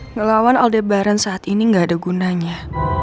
ngelawan aldebaran saat ini nggak ada gunanya